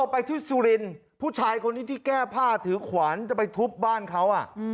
ไปที่สุรินทร์ผู้ชายคนนี้ที่แก้ผ้าถือขวานจะไปทุบบ้านเขา